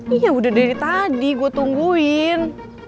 iya udah dari tadi gue tungguin